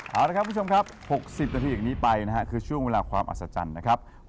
เอาละครับคุณผู้ชมครับ๖๐นาทีอย่างนี้ไปนะฮะคือช่วงเวลาความอัศจรรย์นะครับ